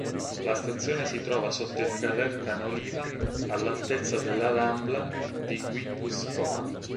La stazione si trova sotto il Carrer Ca n'Oliva, all'altezza della Rambla di Guipúzcoa.